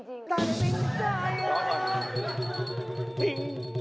ของเขาดีจริง